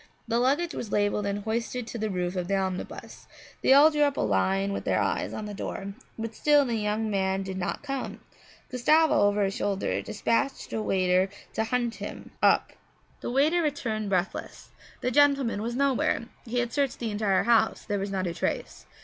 The luggage was labelled and hoisted to the roof of the omnibus; they all drew up in a line with their eyes on the door; but still the young man did not come. Gustavo, over his shoulder, dispatched a waiter to hunt him up. The waiter returned breathless. The gentleman was nowhere. He had searched the entire house; there was not a trace.